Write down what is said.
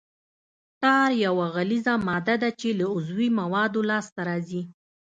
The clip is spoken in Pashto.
ټار یوه غلیظه ماده ده چې له عضوي موادو لاسته راځي